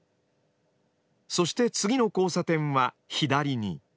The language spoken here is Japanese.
そして次の交差点は左に。